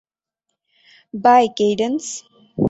By, cadence.